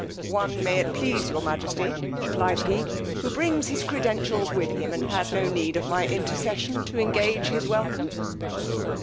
One, may it please your majesty, replied he, who brings his credentials with him, and has no need of my intercession to engage his welcome.